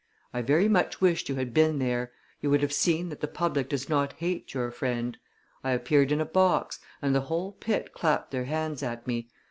I very much wished you had been there; you would have seen that the public does not hate your friend. I appeared in a box, and the whole pit clapped their hands at me.